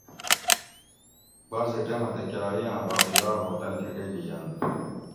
بعض ٹیمہ تہ کۤرائ آۤں باقی دار ہو تن تھی ڈیبی یۤنت